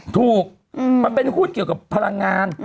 ถูกมันเป็นหุ้นเกี่ยวกับพลังงาน